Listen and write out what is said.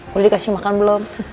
boleh dikasih makan belum